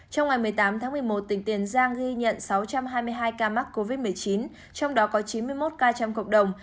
trong ngày một mươi tám tháng một mươi một tỉnh tiền giang ghi nhận sáu trăm hai mươi hai ca mắc covid một mươi chín trong đó có chín mươi một ca trong cộng đồng